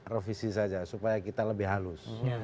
revisi saja supaya kita lebih halus